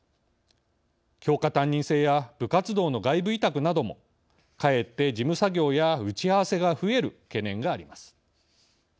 教科担任制や部活動の外部委託などもかえって事務作業や打ち合わせが増える懸念があります。